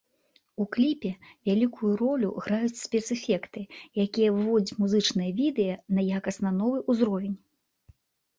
У кліпе вялікую ролю граюць спецэфекты, якія выводзяць музычнае відэа на якасна новы ўзровень.